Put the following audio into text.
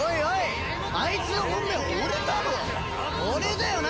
俺だよな！？